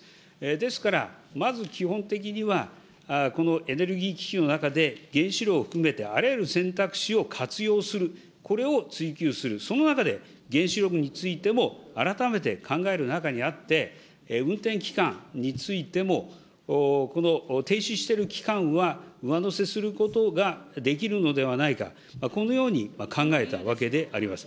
ですから、まず基本的には、このエネルギー危機の中で、原子炉を含めて、あらゆる選択肢を活用する、これを追求する、その中で原子力についても改めて考える中にあって、運転期間についても、停止している期間は上乗せすることができるのではないか、このように考えたわけであります。